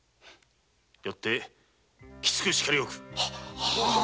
よってきつくしかりおく。